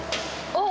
あっ。